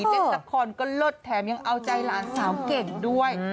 เต้นสักคอนก็เลิศแถมยังเอาใจหลานสาวเก่งด้วย